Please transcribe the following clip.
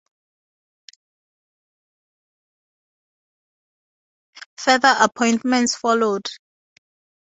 Further appointments followed.